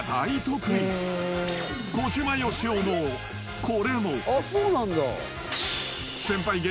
［小島よしおのこれも］